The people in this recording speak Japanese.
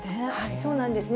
そうなんですね。